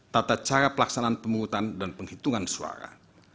tata cara pelaksanaan pemungutan dan penghitungan suara